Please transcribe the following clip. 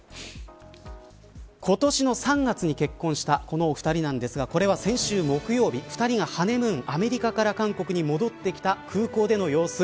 今年の３月に結婚したこの２人なんですがこれは先週木曜日２人がハネムーン、アメリカから韓国に戻ってきた空港での様子。